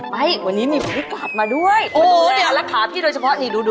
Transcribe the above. ไปวันนี้มีกลับมาด้วยโอ้โดยและรักษาพี่โดยเฉพาะนี่ดู